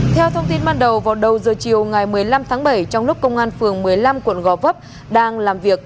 theo thông tin ban đầu vào đầu giờ chiều ngày một mươi năm tháng bảy trong lúc công an phường một mươi năm quận gò vấp đang làm việc